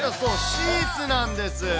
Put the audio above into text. シーツなんです。